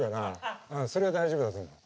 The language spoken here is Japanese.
それは大丈夫だと思う。